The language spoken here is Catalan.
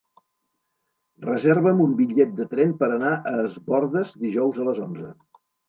Reserva'm un bitllet de tren per anar a Es Bòrdes dijous a les onze.